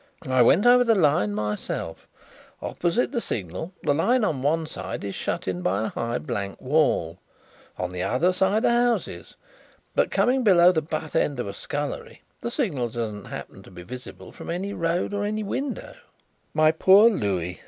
I went over the line myself. Opposite the signal the line on one side is shut in by a high blank wall; on the other side are houses, but coming below the butt end of a scullery the signal does not happen to be visible from any road or from any window." "My poor Louis!"